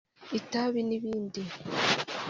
itabi n’ibindi